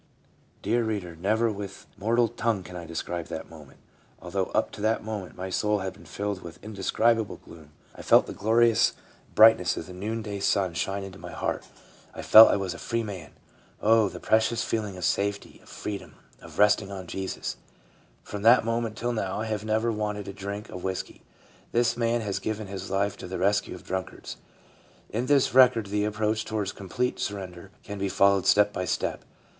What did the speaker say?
Dear reader, never with mortal tongue can I describe that moment. Although up to that moment my soul had been filled with indescribable gloom, I felt the glorious brightness of the noonday sun 332 leuba : shine into my heart ; I felt I was a free man. Oh, the precious feeling of safety, of freedom, of resting on Jesus !.... From that moment till now I have never wanted a drink of whiskey." This man has given his life to the rescue of drunkards. In this record the approach towards complete surrender can be followed step by step.